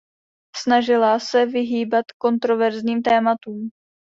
Snažila se vyhýbat kontroverzním tématům.